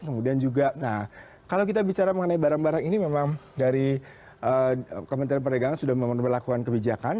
kemudian juga nah kalau kita bicara mengenai barang barang ini memang dari kementerian perdagangan sudah memperlakuan kebijakan